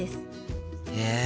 へえ。